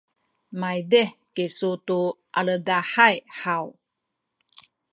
maydih kisu tu aledahay haw?